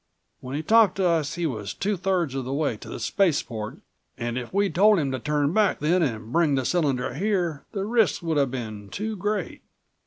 When he talked to us he was two thirds of the way to the spaceport and if we'd told him to turn back then and bring the cylinder here the risks would have been too great.